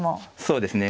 そうですね。